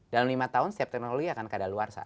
dalam lima tahun setiap teknologi akan keadaan luar sah